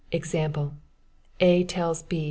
Example: A. tells B.